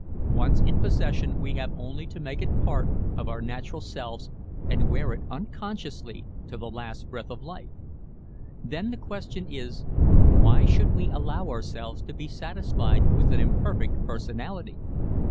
Once in possession we have only to make it part of our natural selves and wear it unconsciously to the last breath of life. Then the question is, why should we allow ourselves to be satisfied with an imperfect personality?